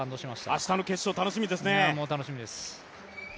明日の決勝、楽しみですね。